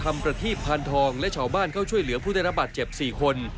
เมื่อกายพ่ารู้สึกอย่างมือ